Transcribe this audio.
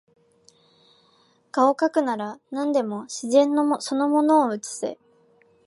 画をかくなら何でも自然その物を写せ